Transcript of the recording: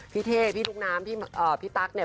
เท่พี่ลูกน้ำพี่ตั๊กเนี่ย